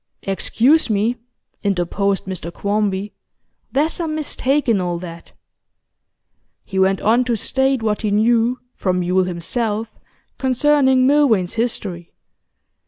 'Excuse me,' interposed Mr Quarmby, 'there's some mistake in all that.' He went on to state what he knew, from Yule himself, concerning Milvain's history.